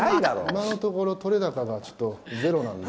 今のところ、撮れ高がゼロなんで。